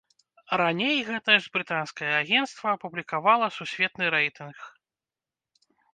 Раней гэтае ж брытанскае агенцтва апублікавала сусветны рэйтынг.